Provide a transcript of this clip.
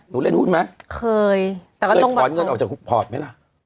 เล่นหุ้นไหมเคยแต่เคยถอนเงินออกจากพอร์ตไหมล่ะ